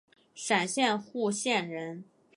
陕西户县人。